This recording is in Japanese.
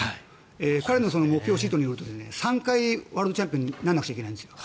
彼の目標シートによると３回、ワールドチャンピオンにならなくちゃいけないんですよ